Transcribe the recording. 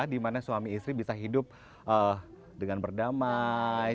dimana suami istri bisa hidup dengan berdamai